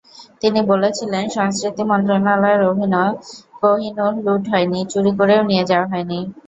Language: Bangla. তিনি বলেছিলেন, সংস্কৃতি মন্ত্রণালয়ের অভিমত—কোহিনূর লুট হয়নি, চুরি করেও নিয়ে যাওয়া হয়নি।